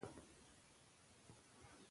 چې هلته څوک د چا لباس پورې کار نه لري